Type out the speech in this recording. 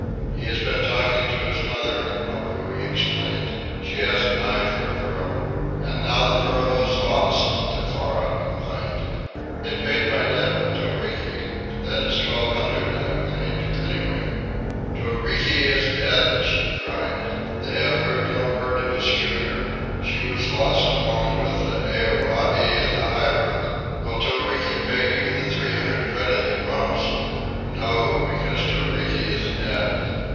"He has been talking to his mother," Mapuhi explained. "She has an eye for a pearl." "And now the pearl is lost," Tefara complained. "It paid my debt with Toriki. That is twelve hundred I have made, anyway." "Toriki is dead," she cried. "They have heard no word of his schooner. She was lost along with the Aorai and the Hira. Will Toriki pay you the three hundred credit he promised? No, because Toriki is dead.